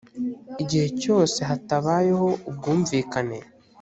igihe cyose hatabayeho ubwumvikane